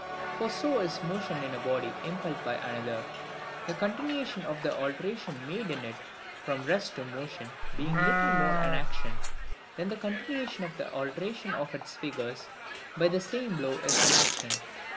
For so is motion in a body impelled by another; the continuation of the alteration made in it from rest to motion being little more an action, than the continuation of the alteration of its figure by the same blow is an action.